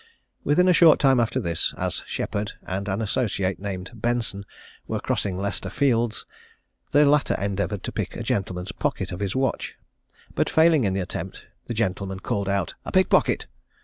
Within a short time after this, as Sheppard and an associate, named Benson, were crossing Leicester Fields, the latter endeavoured to pick a gentleman's pocket of his watch; but failing in the attempt, the gentleman called out "A pickpocket!"